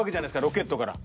ロケットから。